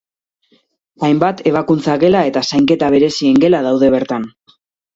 Hainbat ebakuntza-gela eta zainketa berezien gela daude bertan.